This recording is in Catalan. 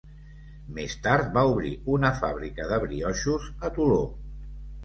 Més tard, va obrir una fàbrica de brioixos a Toló.